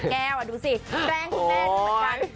แปลงที่แม่ดูเหมือนกัน